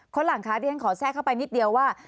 ที่ฉันขอแทรกเข้าไปนิดเดียวว่า